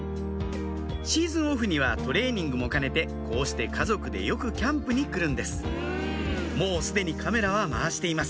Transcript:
シーズンオフにはトレーニングも兼ねてこうして家族でよくキャンプに来るんですもうすでにカメラは回しています